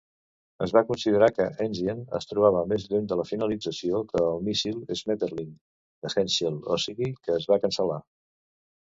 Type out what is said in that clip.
Es va considerar que "Enzian" es trobava més lluny de la finalització que el míssil "Schmetterling" de Henschel, o sigui que es va cancel·lar.